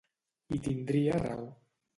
I tindria raó.